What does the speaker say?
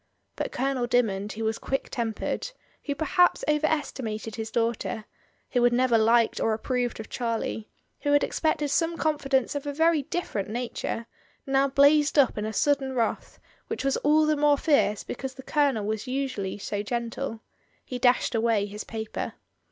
But Colonel Dymond, who was quick tempered, who perhaps over estimated his daughter, who had never liked or approved of Charlie, who had ex pected some confidence of a very different nature, Mrs. Dymond, /. I* 178 MRS. DYMOND. now blazed up in a sudden wrath, which was all the more fierce because the Colonel was usually so gentle. He dashed away his paper.